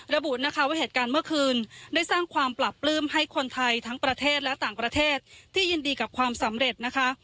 ระบุนะคะว่าเหตุการณ์เมื่อคืนได้สร้างความปราบปลื้มให้คนไทยทั้งประเทศและต่างประเทศที่ยินดีกับความสำเร็จนะคะ